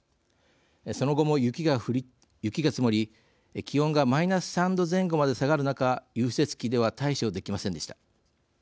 その後も雪が積もり気温がマイナス３度前後まで下がる中、融雪器では対処できませんでした。